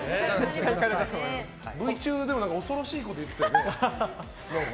Ｖ中でも恐ろしいこと言ってたよね。